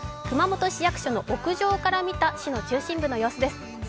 熊本市役所の屋上から見た市の中心部の様子です。